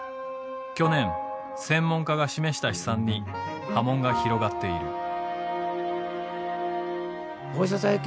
去年専門家が示した試算に波紋が広がっている。